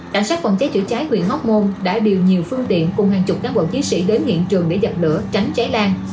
cảnh sát quận cháy chứa cháy huyện hốc môn đã điều nhiều phương tiện cùng hàng chục các quận chí sĩ đến hiện trường để giặt lửa tránh cháy lan